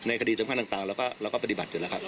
คดีสำคัญต่างเราก็ปฏิบัติอยู่แล้วครับ